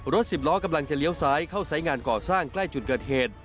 สิบล้อกำลังจะเลี้ยวซ้ายเข้าสายงานก่อสร้างใกล้จุดเกิดเหตุ